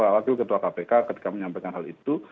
wakil ketua kpk ketika menyampaikan hal itu